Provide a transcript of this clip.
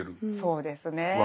そうですね。